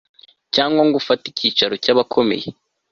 cyangwa ngo ufate icyicaro cy'abakomeye